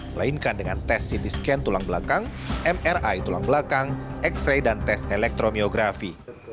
melainkan dengan tes ct scan tulang belakang mri tulang belakang x ray dan tes elektromiografi